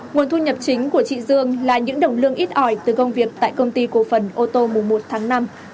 nguồn thu nhập chính của chị dương là những đồng lương ít ỏi từ công việc tại công ty cổ phần ô tô mùng một tháng năm